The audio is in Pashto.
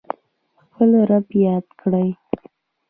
خپل رب یاد کړئ